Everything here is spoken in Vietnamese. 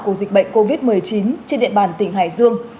của dịch bệnh covid một mươi chín trên địa bàn tỉnh hải dương